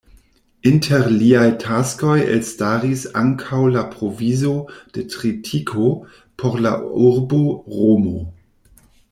Inter liaj taskoj elstaris ankaŭ la provizo de tritiko por la urbo Romo.